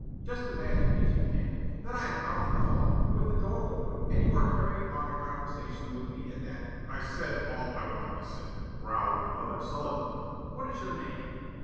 Just imagine, if you can, that I am out in the hall, with the door open, and you are carrying on a conversation with me at that " "I've said all I want to say," growled the other sullenly. "What is your name?"